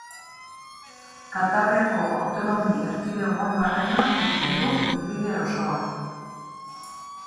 Kantabriako Autonomi Erkidegoan barrena egiten du ibilbide osoa.